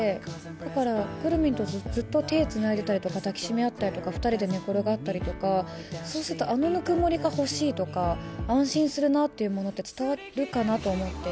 だからくるみんとずっと手をつないでたりとか、抱きしめ合ったりとか、２人で寝転がったりとか、そうすると、あのぬくもりが欲しいとか、安心するなっていうものって伝わるかなと思って。